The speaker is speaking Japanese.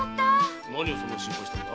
何をそんなに心配したのだ？